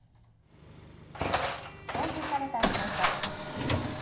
表示されたサイト。